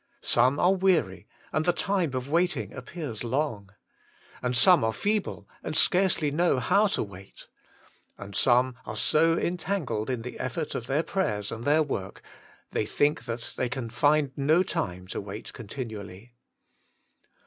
Some are weary, and the time of waiting appears long. And some are feeble, and scarcely know how to wait. And some are so entangled in the effort of their prayers and their work, they think that they can find no time to wait continually.